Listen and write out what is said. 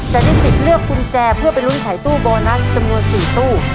จะได้สิทธิ์เลือกกุญแจเพื่อไปลุ้นขายตู้โบนัสจำนวน๔ตู้